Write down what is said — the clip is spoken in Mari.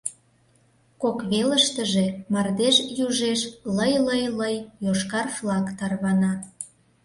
Кок велыштыже мардеж южеш лый-лый-лый йошкар флаг тарвана.